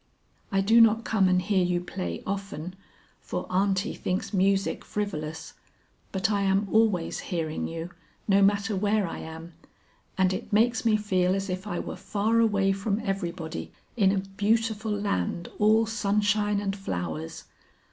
"I do not come and hear you play often, for aunty thinks music frivolous, but I am always hearing you no matter where I am, and it makes me feel as if I were far away from everybody, in a beautiful land all sunshine and flowers.